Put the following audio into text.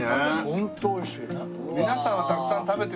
ホント美味しい。